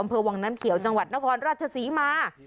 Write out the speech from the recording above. อำเภอวังน้ำเขียวจังหวัดนครราชศรีมา